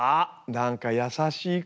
何か優しい声。